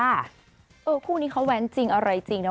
คู่นี้เขาแว้นจริงอะไรจริงนะ